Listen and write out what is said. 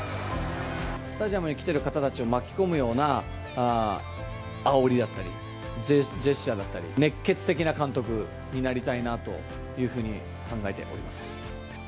スタジアムに来てる方々を巻き込むような、あおりだったり、ジェスチャーだったり、熱血的な監督になりたいなというふうに考えております。